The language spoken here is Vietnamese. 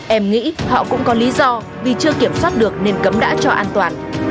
em nghĩ họ cũng có lý do vì chưa kiểm soát được nên cấm đã cho an toàn